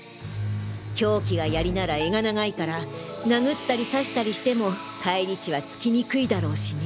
凶器が槍なら柄が長いから殴ったり刺したりしても返り血はつきにくいだろうしね。